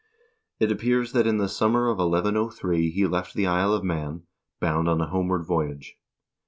It appears that in the summer of 1103 he left the Isle of Man, bound on a homeward voyage.